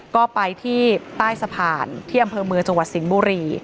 ก็ไปที่ใต้สะพานที่อำเภอเมืองจังหวัดสิงห์บุรี